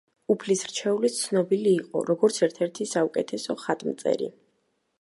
უფლის რჩეული ცნობილი იყო, როგორც ერთ-ერთი საუკეთესო ხატმწერი.